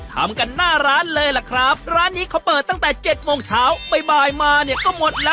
ทำกันหน้าร้านเลยล่ะครับร้านนี้เขาเปิดตั้งแต่๗โมงเช้าบ่ายก็หมดละ